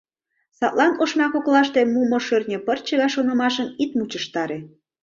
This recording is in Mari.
Садлан ошма коклаште мумо шӧртньӧ пырче гай шонымашым ит мучыштаре.